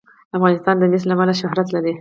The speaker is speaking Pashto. افغانستان د مس له امله شهرت لري.